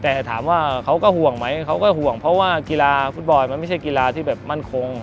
แต่ถามว่าเขาก็ห่วงไหมเขาก็ห่วงเพราะว่ากีฬาฟุตบอลมันไม่ใช่กีฬาที่แบบมั่นคง